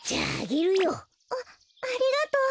あっありがとう。